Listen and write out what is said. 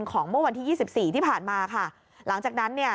เมื่อวันที่ยี่สิบสี่ที่ผ่านมาค่ะหลังจากนั้นเนี่ย